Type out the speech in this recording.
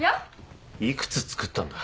いくつ作ったんだ？